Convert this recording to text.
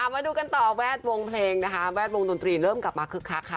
มาดูกันต่อแวดวงเพลงนะคะแวดวงดนตรีเริ่มกลับมาคึกคักค่ะ